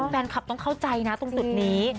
แฟนคลับต้องเข้าใจนะตรงจุดนี้